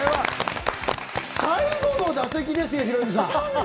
最後の打席ですよ、ヒロミさん。